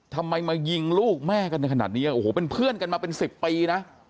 ทำไมมายิงลูกแม่กันขนาดนี้โอ้โหเป็นเพื่อนกันมาเป็น๑๐ปีนะ